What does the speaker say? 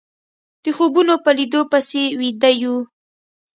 د خوبونو په ليدو پسې ويده يو